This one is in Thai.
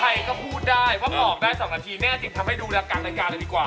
ใครก็พูดได้ว่าบอกได้๒นาทีแม่จึงทำให้ดูรายการรายการเลยดีกว่า